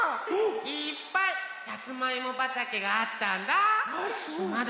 いっぱいさつまいもばたけがあったんだ！